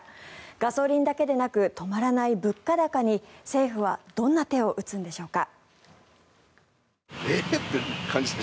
ガソリンだけでなく止まらない物価高に政府はどんな手を打つんでしょうか。